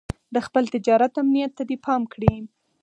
د خپل تجارت امنيت ته دې پام کړی.